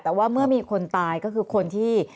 แต่ว่าเมื่อมีคนตายก็คือคนที่